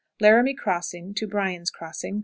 Laramie Crossing to 14. Bryan's Crossing.